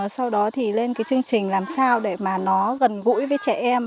sau đó thì lên cái chương trình làm sao để mà nó gần gũi với trẻ em